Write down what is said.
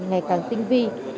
ngày càng tinh vi